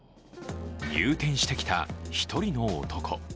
入店してきた１人の男。